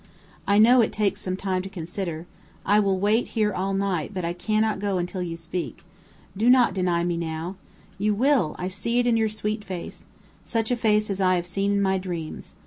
"I know it takes time to consider. I will wait here all night; but I cannot go until you speak. Do not deny me now. You will! I see it in your sweet face such a face as I have seen in my dreams.